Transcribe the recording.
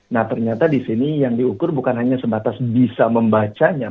nah ternyata di sini yang diukur bukan hanya sebatas bisa membacanya